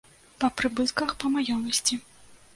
Па прыбытках, па маёмасці.